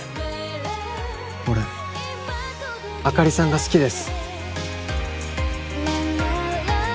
俺あかりさんが好きです